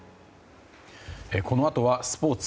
このあとはスポーツ。